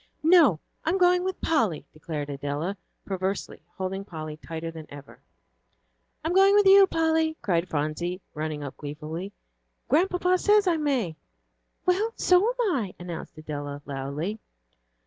"No, I'm going with Polly," declared Adela, perversely, holding Polly tighter than ever. "I'm going with you, Polly," cried Phronsie, running up gleefully, "Grandpapa says I may." "Well, so am I," announced Adela, loudly.